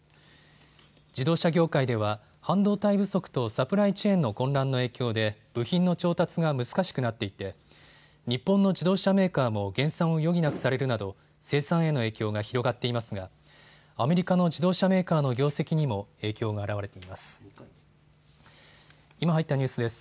自動車業界では半導体不足とサプライチェーンの混乱の影響で部品の調達が難しくなっていて日本の自動車メーカーも減産を余儀なくされるなど生産への影響が広がっていますがアメリカの自動車メーカーの業績にも影響が表れています。